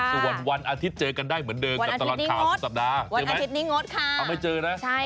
ส่วนวันอาทิตย์เจอกันได้เหมือนเดินกับตลอดข่าวสุดสัปดาห์